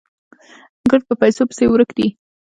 ګړد په پيسو پسې ورک دي